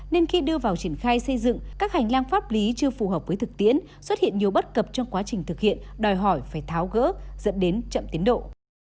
nên khi đưa vào triển khai xây dựng các hành lang pháp lý chưa phù hợp với thực tiễn xuất hiện nhiều bất cập trong quá trình thực hiện đòi hỏi phải tháo gỡ dẫn đến chậm tiến độ